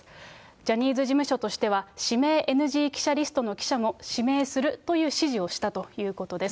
ジャニーズ事務所としては、指名ＮＧ記者リストの記者も指名するという指示をしたということです。